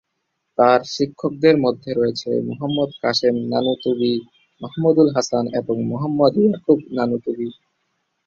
তাঁর শিক্ষকদের মধ্যে রয়েছেন মুহাম্মদ কাসেম নানুতুবি, মাহমুদুল হাসান এবং মুহাম্মদ ইয়াকুব নানুতুবি।